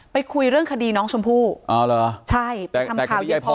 ไปคุยเรื่องคดีน้องชมพู่อ๋อเหรอใช่ไปทำข่าวยายพร